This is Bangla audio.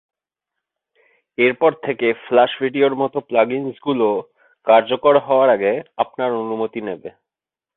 এরপর থেকে ফ্লাশ ভিডিওর মতো প্লাগ-ইনসগুলো কার্যকর হওয়ার আগে আপনার অনুমতি নেবে।